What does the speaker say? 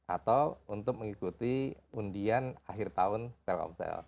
atau untuk mengikuti undian akhir tahun telkomsel